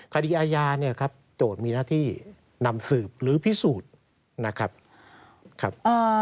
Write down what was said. คดีอาญาเนี่ยครับโจทย์มีหน้าที่นำสืบหรือพิสูจน์นะครับครับ